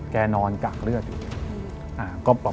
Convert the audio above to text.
นอนกากเลือดอยู่